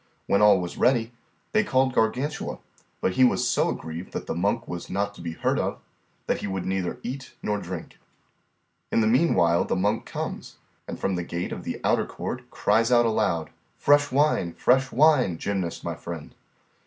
When all was ready, they called Gargantua, but he was so aggrieved that the monk was not to be heard of that he would neither eat nor drink. In the meanwhile the monk comes, and from the gate of the outer court cries out aloud, Fresh wine, fresh wine, Gymnast my friend!